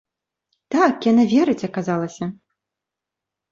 Так, яна верыць, аказалася.